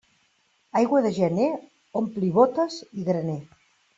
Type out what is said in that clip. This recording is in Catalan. Aigua de gener ompli bótes i graner.